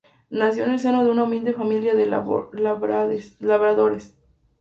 Nació en el seno de una humilde familia de labradores.